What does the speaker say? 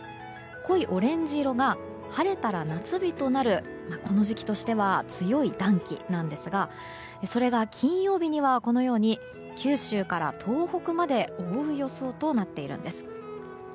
濃いオレンジ色が晴れたら夏日となるこの時期としては強い暖気なんですがそれが金曜日には九州から東北まで覆う予想となっているんです。